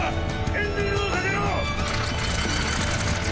エンジンをかけろ！！